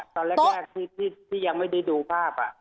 ตอนแรกที่ยังไม่ได้ดูภาพ